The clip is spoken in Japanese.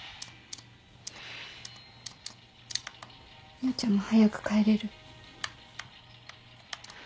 陽ちゃんも早く帰れる？